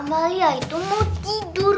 ama liat itu mau tidur